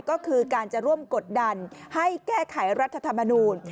ก็คือการจะร่วมกดดันให้แก้ไขรัฐธรรมนูล